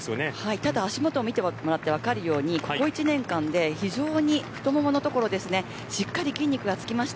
ただ足元を見て分かるようにここ１年間で太もものところしっかりと筋肉がつきました。